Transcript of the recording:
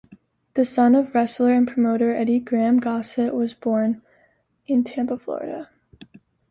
The son of wrestler and promoter Eddie Graham, Gossett was born in Tampa, Florida.